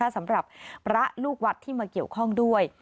สำหรับพระลูกวัดที่มาเกี่ยวข้องด้วย